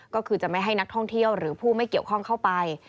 ก็คือจะไม่ให้นักท่องเที่ยวหรือผู้ไม่เกี่ยวข้องเข้าไป